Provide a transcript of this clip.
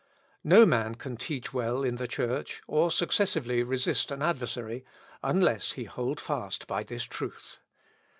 No man can teach well in the Church, or successively resist an adversary, unless he hold fast by this truth.